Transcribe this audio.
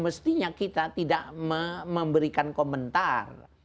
mestinya kita tidak memberikan komentar